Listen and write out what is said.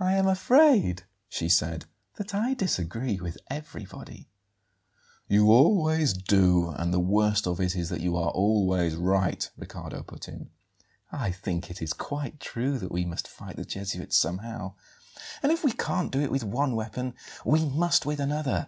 "I am afraid," she said; "that I disagree with everybody." "You always do, and the worst of it is that you are always right," Riccardo put in. "I think it is quite true that we must fight the Jesuits somehow; and if we can't do it with one weapon we must with another.